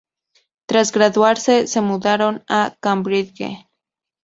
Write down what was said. Tras graduarse se mudaron a Cambridge.